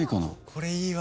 これいいわ。